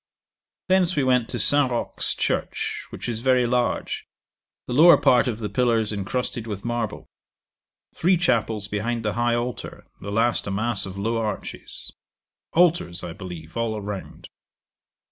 'Thence we went to St. Roque's church, which is very large; the lower part of the pillars incrusted with marble. Three chapels behind the high altar; the last a mass of low arches. Altars, I believe, all round.